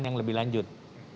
yang lebih lanjut